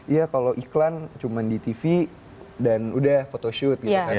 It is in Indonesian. iya kalau iklan cuma di tv dan udah photoshoot gitu kan